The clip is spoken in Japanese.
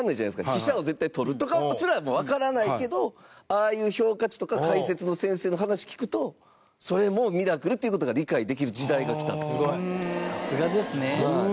飛車を絶対取るとかすらわからないけどああいう評価値とか解説の先生の話、聞くとそれもミラクルっていう事が理解できる時代がきたんですよ。